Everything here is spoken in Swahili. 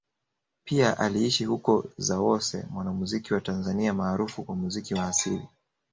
Pia aliishi Hukwe Zawose mwanamuziki wa Tanzania maarufu kwa muziki wa asili